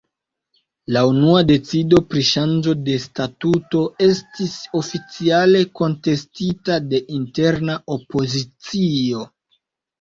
La unua decido pri ŝanĝo de statuto estis oficiale kontestita de interna opozicio.